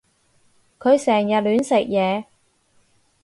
佢成日亂食嘢